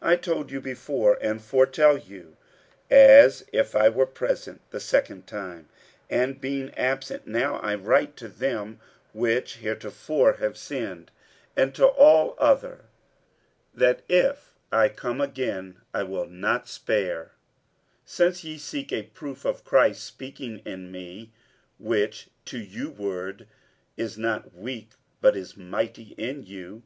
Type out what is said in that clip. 47:013:002 I told you before, and foretell you, as if I were present, the second time; and being absent now I write to them which heretofore have sinned, and to all other, that, if I come again, I will not spare: 47:013:003 Since ye seek a proof of Christ speaking in me, which to you ward is not weak, but is mighty in you.